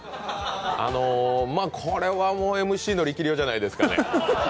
あのー、これはＭＣの力量じゃないですかね。